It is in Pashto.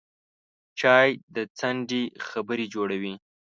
چای د څنډې خبرې جوړوي